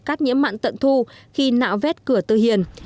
các nhiễm mặn tận thu khi nạo vét cửa tư hiền